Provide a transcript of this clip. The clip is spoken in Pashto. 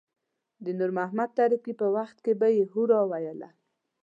د نور محمد تره کي په وخت کې يې هورا ویله.